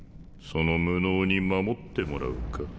その無能に守ってもらうか？